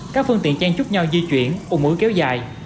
các phương tiện trang trúc nhau di chuyển un ứ kéo dài